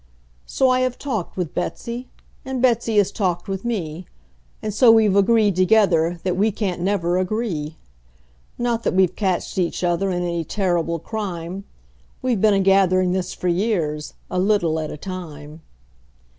So I have talked with Betsey, and Betsey has talked with me, And so we've agreed together that we can't never agree; Not that we've catched each other in any terrible crime; We've been a gathering this for years, a little at a time.